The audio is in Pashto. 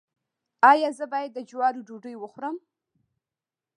ایا زه باید د جوارو ډوډۍ وخورم؟